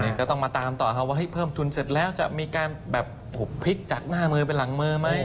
ก็ต้องมาตามต่อครับว่าเพิ่มทุนเสร็จแล้วจะมีการแบบพลิกจากหน้ามือไปหลังมือไหม